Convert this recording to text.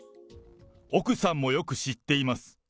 奥さんもよく知っています。